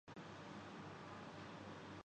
Pakistan cricket board نے نئے coach کی تلاش تیز کر دی